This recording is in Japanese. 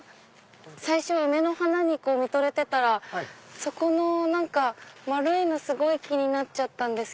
最初は梅の花に見とれてたらそこの丸いのすごい気になっちゃったんです。